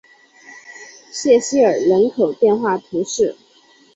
谢西厄人口变化图示